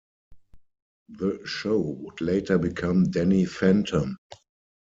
The show would later become "Danny Phantom".